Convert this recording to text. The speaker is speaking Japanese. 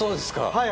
はい。